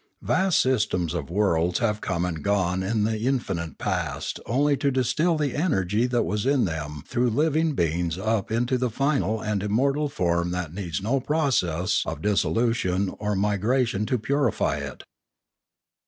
Vast systems of worlds have come and gone in the infinite past only to distil the energy that was in them through living beings up into the final and immortal form that needs no process of dissolution or migration to purify it.